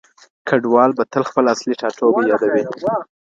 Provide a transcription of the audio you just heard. کډوال به تل خپل اصلي ټاټوبی يادوي.